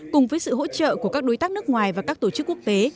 cùng với sự hỗ trợ của các đối tác nước ngoài và các tổ chức quốc tế